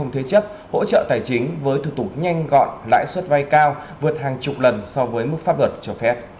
thuế chấp hỗ trợ tài chính với thủ tục nhanh gọn lãi suất vay cao vượt hàng chục lần so với mức pháp luật cho phép